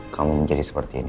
kamu jadi seperti ini